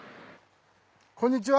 こんにちは。